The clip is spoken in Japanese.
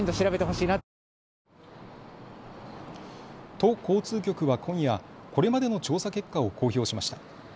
都交通局は今夜、これまでの調査結果を公表しました。